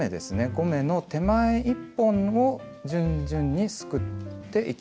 ５目の手前１本を順々にすくっていきます。